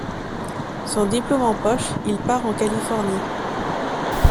Son diplôme en poche, il part en Californie.